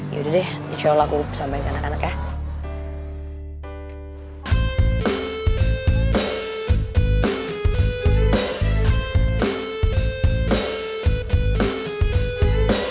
yaudah deh insya allah aku sampai ke anak anak ya